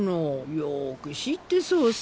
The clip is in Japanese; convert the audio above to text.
よく知ってそうさ。